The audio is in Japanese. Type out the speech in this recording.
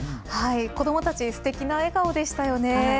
子どもたち、すてきな笑顔でしたよね。